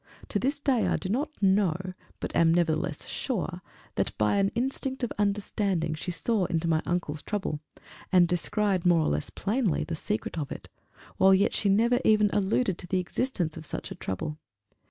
To this day I do not know, but am nevertheless sure that, by an instinct of understanding, she saw into my uncle's trouble, and descried, more or less plainly, the secret of it, while yet she never even alluded to the existence of such a trouble.